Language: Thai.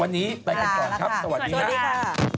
วันนี้ไปกันก่อนครับสวัสดีค่ะ